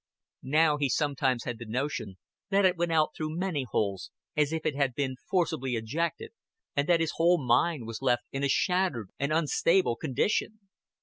Now he sometimes had the notion that it went out through many holes, as if it had been forcibly ejected, and that his whole mind was left in a shattered and unstable condition.